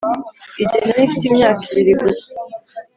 igihe nari mfite imyaka ibiri gusa,